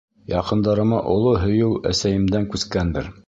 Яҡындарыма оло һөйөү әсәйемдән күскәндер.